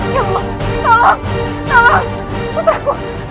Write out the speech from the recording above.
ya allah tolong puter aku